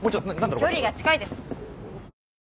距離が近いです。